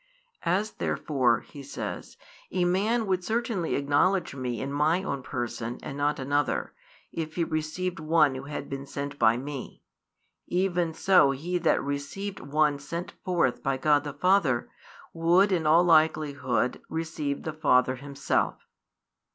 "As therefore," He says, "a man would certainly acknowledge Me in My own person and not another, if he received one who had been sent by Me; even so he that received One sent forth by God the Father would in all likelihood receive the Father Himself."